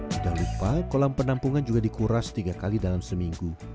tidak lupa kolam penampungan juga dikuras tiga kali dalam seminggu